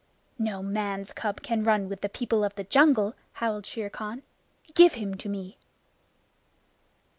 "No man's cub can run with the people of the jungle," howled Shere Khan. "Give him to me!"